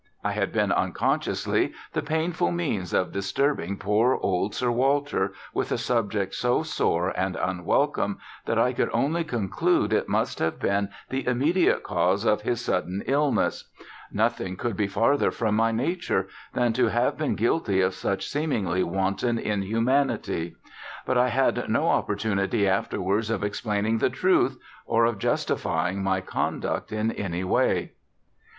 I had been unconsciously the painful means of disturbing poor old Sir Walter with a subject so sore and unwelcome that I could only conclude it must have been the immediate cause of his sudden illness. Nothing could be farther from my nature than to have been guilty of such seemingly wanton inhumanity; but I had no opportunity afterwards of explaining the truth, or of justifying my conduct in any way.